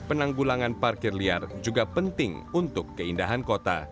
penanggulangan parkir liar juga penting untuk keindahan kota